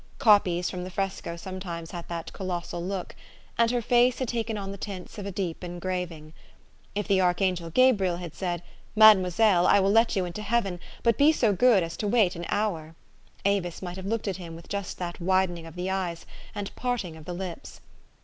Copies from the fresco sometimes had that colossal look, and her face had taken on the tints of a deep engraving. If the Archangel Gabriel had said, "Mademoiselle, I will let you into heaven, be but so good as to wait an hour," Avis might have looked at him with just that widening of the eyes and parting of the lips.